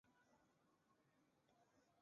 圆腺带形吸虫为双腔科带形属的动物。